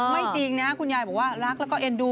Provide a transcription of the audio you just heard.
ไม่จริงนะครับคุณยายบอกว่ารักและก็เอ็นดู